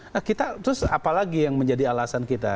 nah kita terus apalagi yang menjadi alasan kita